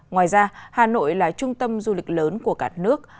ngoài ra hà nội là trung tâm du lịch lớn của cả nước